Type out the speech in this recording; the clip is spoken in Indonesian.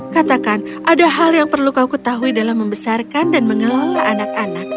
katakan ada hal yang perlu kau ketahui dalam membesarkan dan mengelola anak anak